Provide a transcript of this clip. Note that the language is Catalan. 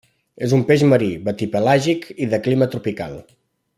És un peix marí, batipelàgic i de clima tropical.